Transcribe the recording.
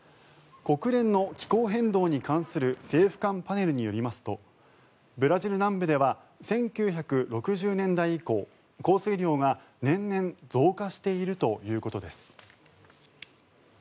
国連の気候変動に関する政府間パネルによりますとブラジル南部では１９６０年代以降降水量が年々増加しているということです。